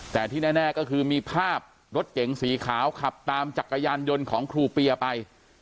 แต่ที่แน่ก็คือมีภาพรถเก๋งสีขาวขับตามจักรยานยนต์ของครูเปียไป